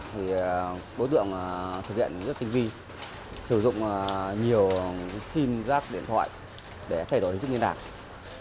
thì đối tượng thực hiện rất tinh vi sử dụng nhiều sim rác điện thoại để thay đổi thức nguyên đảng